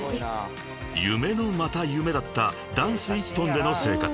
［夢のまた夢だったダンス一本での生活］